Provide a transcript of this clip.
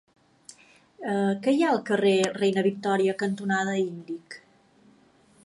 Què hi ha al carrer Reina Victòria cantonada Índic?